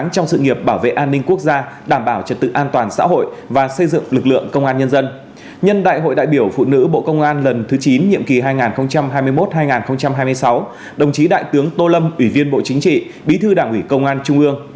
trong bài viết đại tướng tô lâm khẳng định